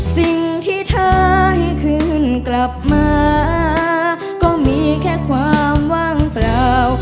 สิ่งที่เธอให้คืนกลับมาก็มีแค่ความว่างเปล่า